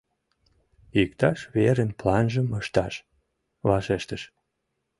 — Иктаж верын планжым ышташ! — вашештыш.